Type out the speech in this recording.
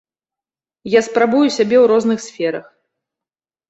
Я спрабую сябе ў розных сферах.